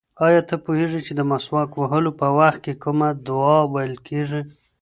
ایا ته پوهېږې چې د مسواک وهلو په وخت کې کومه دعا ویل کېږي؟